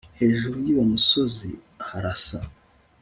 Hejuru yuwo musozi harasa